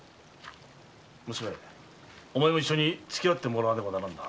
娘お前も一緒につき合ってもらわねばならんな。